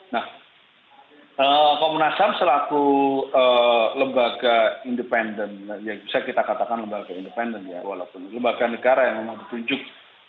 nah komnas ham selaku lembaga independen yang bisa kita katakan lembaga independen ya walaupun lembaga negara yang memang ditunjuk